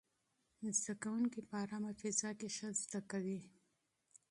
زده کوونکي په ارامه فضا کې ښه زده کوي.